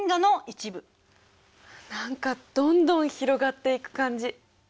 何かどんどん広がっていく感じ。